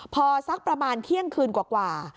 พอสักประมาณเที่ยงคืนกว่า